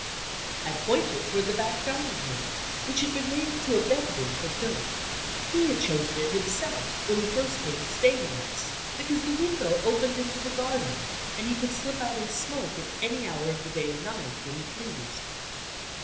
I pointed toward the back dining room, which had been made into a bedroom for Philip. He had chosen it himself, when he first came to stay with us, because the window opened into the garden, and he could slip out and smoke at any hour of the day or night, when he pleased.